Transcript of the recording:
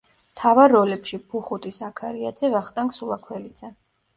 მთავარ როლებში: ბუხუტი ზაქარიაძე, ვახტანგ სულაქველიძე.